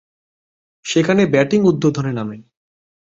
সেখানে ব্যাটিং উদ্বোধনে নামেন।